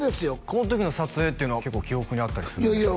この時の撮影っていうのは結構記憶にあったりするんですか？